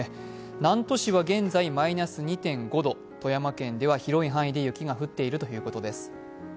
南砺市は現在マイナス２．５度富山県では広い範囲で雪が降っているということです。